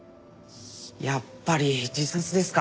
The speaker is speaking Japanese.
やっぱり自殺ですか？